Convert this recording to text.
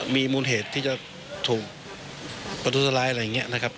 มีมูลเหตุที่จะถูกประทุษร้ายอะไรอย่างนี้นะครับ